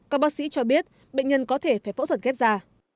các bác sĩ cho biết bệnh nhân có thể phải phẫu thuật ghép da